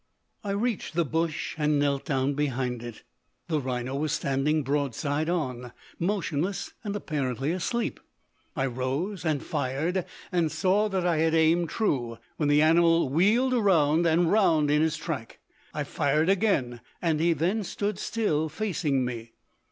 I reached the bush and knelt down behind it. The rhino was standing broadside on, motionless and apparently asleep. I rose and fired, and saw that I had aimed true, when the animal wheeled round and round in his track. I fired again, and he then stood still, facing me.